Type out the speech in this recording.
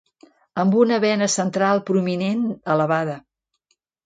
Amb una vena central prominent elevada.